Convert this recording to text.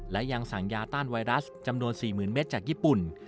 และยังสั่งยาต้านไวรัสจำนวน๔๐๐๐เมตรจากญี่ปุ่น